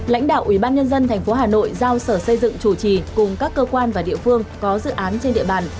lãnh đạo ubnd tp hà nội giao sở xây dựng chủ trì cùng các cơ quan và địa phương có dự án trên địa bàn